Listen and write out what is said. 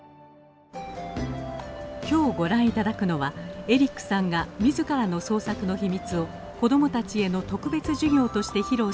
今日ご覧頂くのはエリックさんが自らの創作の秘密を子どもたちへの特別授業として披露した番組「未来への教室」です